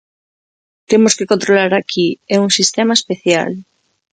Temos que controlar aquí, é un sistema especial.